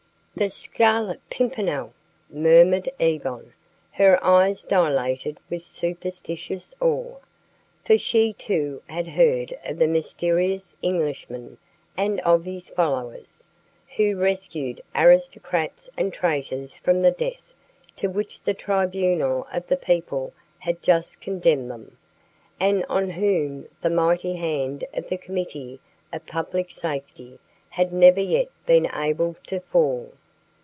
'" "The Scarlet Pimpernel!" murmured Yvonne, her eyes dilated with superstitious awe, for she too had heard of the mysterious Englishman and of his followers, who rescued aristocrats and traitors from the death to which the tribunal of the people had justly condemned them, and on whom the mighty hand of the Committee of Public Safety had never yet been able to fall.